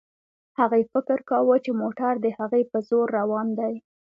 هغې فکر کاوه چې موټر د هغې په زور روان دی.